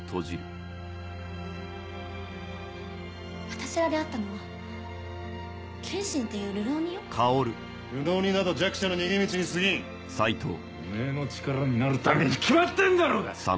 私が出会ったのは剣心っていうるろうるろうになど弱者の逃げ道にすぎんおめぇの力になるために決まってんだろう